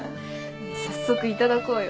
早速いただこうよ。